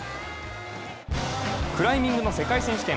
クライミングの世界選手権。